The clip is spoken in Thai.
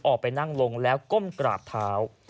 ออกไปนั่งลงแล้วก้มกราบเท้า